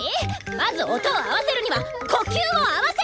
まず音を合わせるには呼吸を合わせる！